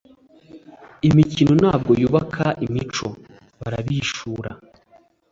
Imikino ntabwo yubaka imico. Barabihishura.